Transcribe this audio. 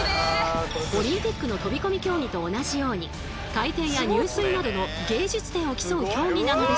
オリンピックの飛び込み競技と同じように回転や入水などの芸術点を競う競技なのですが。